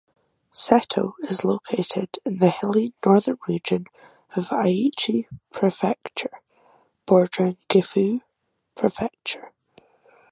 Seto is located in the hilly northern region of Aichi Prefecture, bordering Gifu Prefecture.